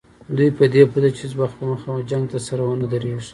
دوی په دې پوهېدل چې هېڅ وخت به مخامخ جنګ ته سره ونه دریږي.